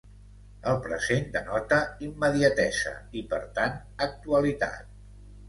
El present denota immediatesa i per tant, actualitat.